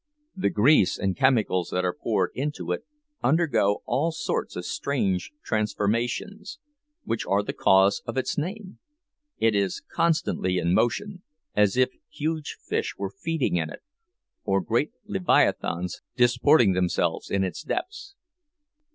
The grease and chemicals that are poured into it undergo all sorts of strange transformations, which are the cause of its name; it is constantly in motion, as if huge fish were feeding in it, or great leviathans disporting themselves in its depths.